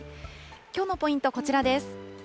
きょうのポイント、こちらです。